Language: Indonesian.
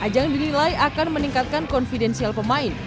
yang dinilai akan meningkatkan konfidensial pemain